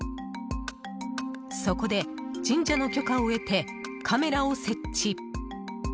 そこで神社の許可を得てカメラを設置。